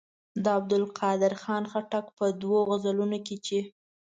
د عبدالقادر خان خټک په دوو غزلونو کې چې.